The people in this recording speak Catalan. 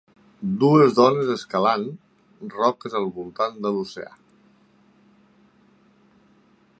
dues dones escalant roques al voltant de l'oceà